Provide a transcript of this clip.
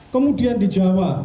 kemudian di jawa